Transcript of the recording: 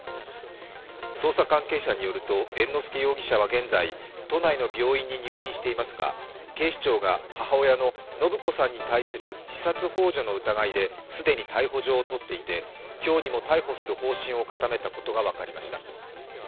捜査関係者によると、猿之助容疑者は現在都内の病院に入院していますが、警視庁が母親の延子さんに対する自殺ほう助の疑いで既に逮捕状を取っていて今日にも逮捕する方針を固めたことが分かりました。